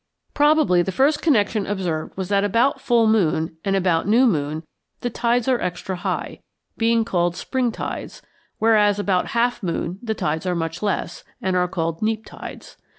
Probably the first connection observed was that about full moon and about new moon the tides are extra high, being called spring tides, whereas about half moon the tides are much less, and are called neap tides.